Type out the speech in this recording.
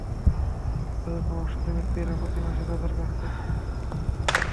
অথচ প্রভাবশালী ব্যক্তিরা প্রতি মাসে তাঁদের কাছ থেকে ভাড়া আদায় করে থাকেন।